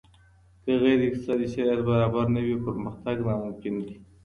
که غير اقتصادي شرايط برابر نه وي پرمختګ ناممکن دی.